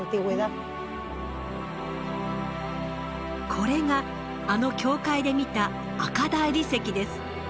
これがあの教会で見た赤大理石です。